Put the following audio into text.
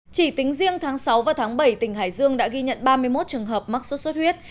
chỉ tính riêng tháng sáu và tháng bảy tỉnh hải dương đã ghi nhận ba mươi một trường hợp mắc sốt xuất huyết